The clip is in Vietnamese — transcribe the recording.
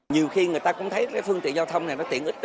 nhiều khi người ta cũng thấy cái phương tiện giao thông này nó tiện ích